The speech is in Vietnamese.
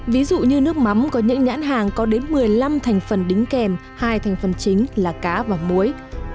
ví dụ như nước mắm có những nhãn hàng có đến một mươi năm thành phần đính kèm hai thành phần chính là cá và muối